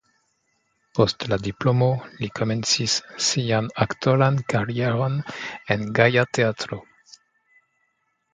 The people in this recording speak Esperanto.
Post la diplomo li komencis sian aktoran karieron en Gaja Teatro.